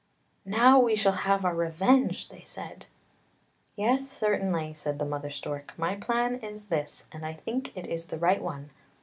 " Now we shall have our revenge! " they said. " Yes, certainly," said the mother stork. " My plan is this, and I think it is the right one!